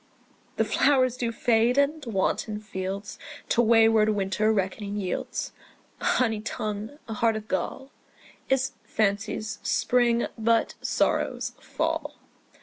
The flowers do fade ; and wanton fields To wayward winter reckoning yields : A honey tongue, a heart of gall, Is fancy's spring, but sorrow's fall.